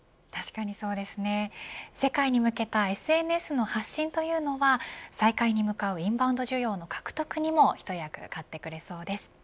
世界に向けたＳＮＳの発信というものは再開に向かうインバウンド需要の獲得にも一役買ってくれそうです。